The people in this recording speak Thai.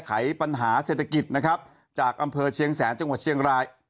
ไขปัญหาเศรษฐกิจนะครับจากอำเภอเชียงแสนจังหวัดเชียงราย